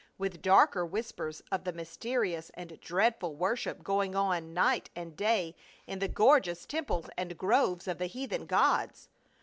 With darker whispers of the mysterious and dreadful worship going on night and day in the gor geous temples and groves of the heathen gods.